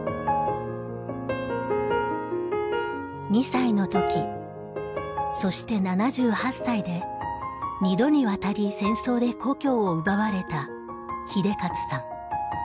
２歳のときそして７８歳で二度にわたり戦争で故郷を奪われた英捷さん。